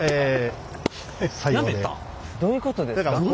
どういうことですか？